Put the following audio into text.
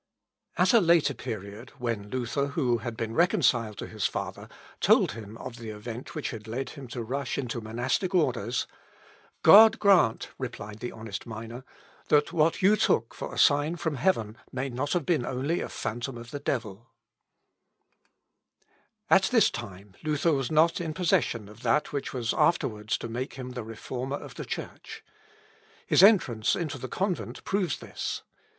At a later period, when Luther, who had been reconciled to his father, told him of the event which had led him to rush into monastic orders, "God grant," replied the honest miner, "that what you took for a sign from heaven may not have been only a phantom of the devil!" "Gott geb das es nicht ein Betrug und teuflisch Gespenst sey." (Luth. Ep. ii, p. 101.) At this time Luther was not in possession of that which was afterwards to make him the Reformer of the Church. His entrance into the convent proves this.